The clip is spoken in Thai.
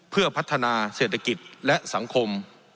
เพื่อพัฒนาเศรษฐกิจและสังคม